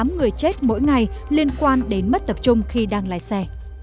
tám người chết mỗi ngày liên quan đến mất tập trung khi đang lái xe